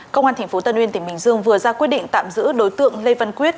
công an tp tân uyên tỉnh bình dương vừa ra quyết định tạm giữ đối tượng lê văn quyết